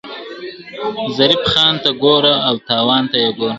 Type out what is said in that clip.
ظریف خان ته ګوره او تاوان ته یې ګوره ..